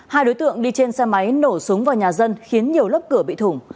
hai đối tượng đi trên xe máy nổ súng vào nhà dân khiến nhiều lớp cửa bị thủng